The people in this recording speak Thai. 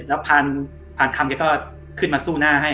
แล้วผ่านคำแกก็ขึ้นมาสู้หน้าให้